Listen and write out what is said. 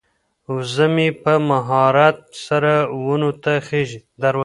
وزه مې په مهارت سره ونو ته خیژي.